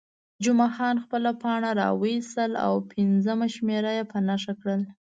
جمعه خان خپله پاڼه راویستل او پنځمه شمېره یې په نښه کړل.